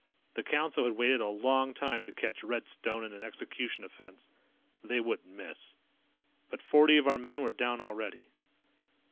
The Council had waited a long time to catch Red Stone in an execution offense. They wouldn't miss. But forty of our men were down already.